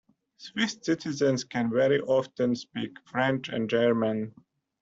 Swiss citizens can very often speak French and German.